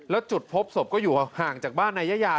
แล้วจุดพบศพก็อยู่ห่างจากบ้านนายยายา